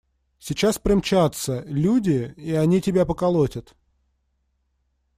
Сейчас примчатся… люди, и они тебя поколотят.